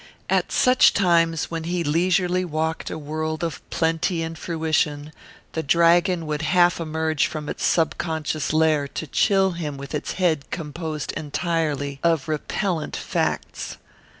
At such times when he leisurely walked a world of plenty and fruition, the dragon would half emerge from its subconscious lair to chill him with its head composed entirely of repellent facts.